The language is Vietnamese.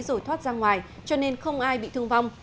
rồi thoát ra ngoài cho nên không ai bị thương vong